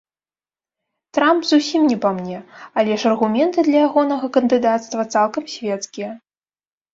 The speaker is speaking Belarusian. Трамп зусім не па мне, але ж аргументы для ягонага кандыдацтва цалкам свецкія.